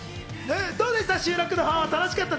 どうでした？